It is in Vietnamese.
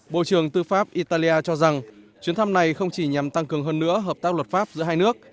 bộ trưởng tư pháp italia cho rằng chuyến thăm này không chỉ nhằm tăng cường hơn nữa hợp tác luật pháp giữa hai nước